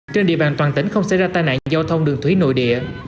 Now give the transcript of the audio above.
trên địa bàn toàn tỉnh không xảy ra tai nạn giao thông đường thủy nội địa